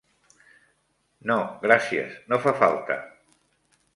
No, gràcies, no fa falta.